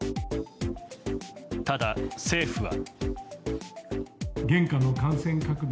ただ、政府は。